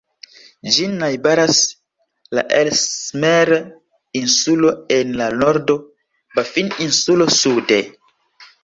Ĝin najbaras la Ellesmere-insulo en la nordo, Baffin-insulo sude.